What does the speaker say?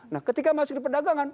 nah ketika masuk di perdagangan